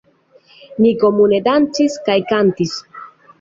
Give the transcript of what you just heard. Ni komune dancis kaj kantis.